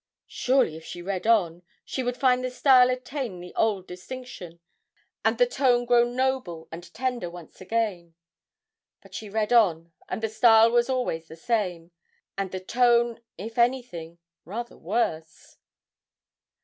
Surely if she read on, she would find the style attain the old distinction, and the tone grow noble and tender once again but she read on, and the style was always the same, and the tone, if anything, rather worse!